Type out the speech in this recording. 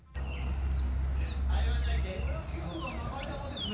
これは結構な流れ弾ですね。